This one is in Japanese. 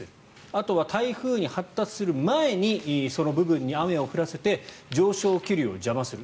あとは台風に発達する前にその部分に雨を降らせて上昇気流を邪魔する。